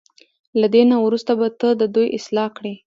له دې نه وروسته به ته د دوی اصلاح کړې.